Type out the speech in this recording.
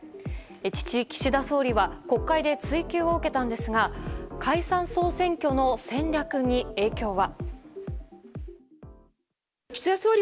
父・岸田総理は国会で追及を受けたんですが解散・総選挙の戦略に影響は。